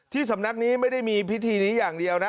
สำนักนี้ไม่ได้มีพิธีนี้อย่างเดียวนะ